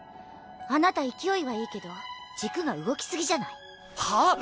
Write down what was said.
あなた勢いはいいけど軸が動き過ぎじゃない？はあ？